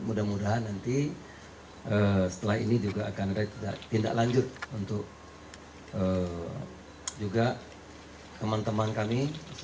mudah mudahan nanti setelah ini juga akan ada tindak lanjut untuk juga teman teman kami